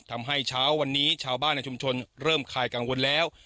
เช้าวันนี้ชาวบ้านในชุมชนเริ่มคลายกังวลแล้ว